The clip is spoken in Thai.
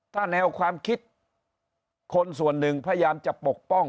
ถ้าแนวความคิดคนส่วนหนึ่งพยายามจะปกป้อง